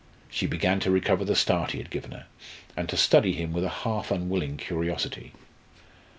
She began to recover the start he had given her, and to study him with a half unwilling curiosity.